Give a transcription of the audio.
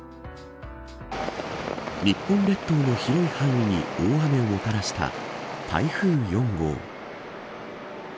日本列島の広い範囲に大雨をもたらした台風４号。